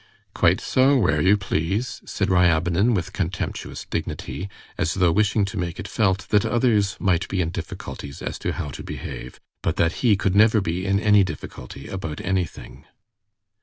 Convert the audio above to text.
"Quite so, where you please," said Ryabinin with contemptuous dignity, as though wishing to make it felt that others might be in difficulties as to how to behave, but that he could never be in any difficulty about anything.